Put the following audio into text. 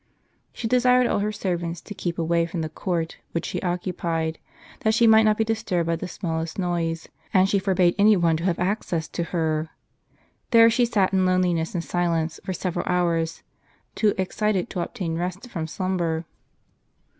She desired all her servants to keej) away from the court which she occupied, that she might not be disturbed by the smallest noise ; and she for bade any one to have access to her. There she sat in loneliness and silence, for several hours, too excited to obtain rest from slumber.